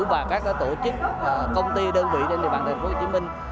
và các tổ chức công ty đơn vị trên địa bàn thành phố hồ chí minh